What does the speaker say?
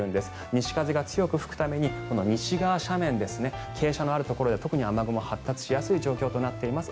西風が強く吹くために西側斜面傾斜のあるところでは特に雨雲が発達しやすい状況となっています。